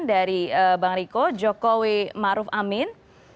dari bang riko jokowi maruf amin